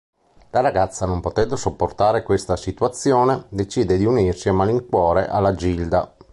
La ragazza, non potendolo sopportare questa situazione, decide di unirsi a malincuore alla Gilda.